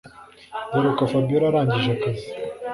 duheruka fabiora arangije akazi